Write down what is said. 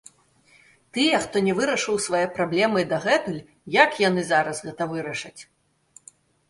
Тыя, хто не вырашыў свае праблемы дагэтуль, як яны зараз гэта вырашаць?